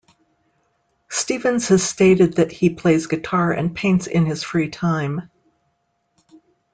Stevens has stated that he plays guitar and paints in his free time.